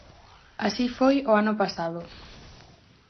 Así foi o ano pasado.